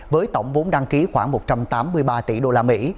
với tổng vốn đăng ký khoảng một trăm tám mươi ba tỷ đô la mỹ